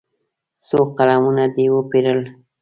څو قلمونه دې وپېرل.